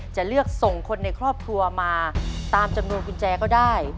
จะเลือกส่งคนในครอบครัวมาตามจำนวนกุญแจก็ได้